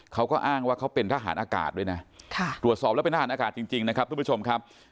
เขาก็อ้างว่าเขาเป็นทหารอากาศด้วยนะตรวจสอบแล้วเป็นทหารอากาศจริงนะครับทุกผู้ชมครับ